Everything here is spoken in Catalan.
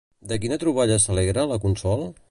De quina troballa s'alegra la Consol?